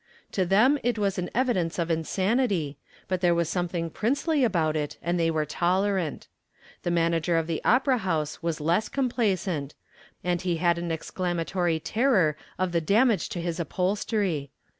To them it was an evidence of insanity, but there was something princely about it and they were tolerant. The manager of the opera house was less complacent, and he had an exclamatory terror of the damage to his upholstery.